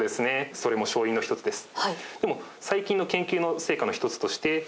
それも勝因の一つです。